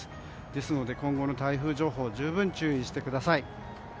ですので今後の台風情報に十分注意してください。